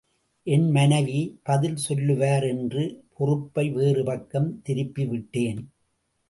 என் மனேவி பதில் சொல்லுவார் என்று பொறுப்பை வேறு பக்கம் திருப்பி விட்டேன்.